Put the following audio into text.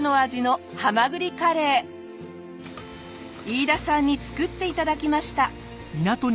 飯田さんに作って頂きました。